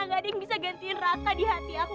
gak ada yang bisa gantiin raka di hati aku